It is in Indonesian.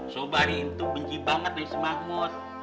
sobari itu benci banget sama si mahmud